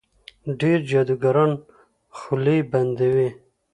ډېر جادوګران خولې بندوي.